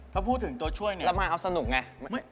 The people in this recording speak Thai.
ถ้าพูดถึงตัวช่วยเนี่ยเรามาเอาสนุกไง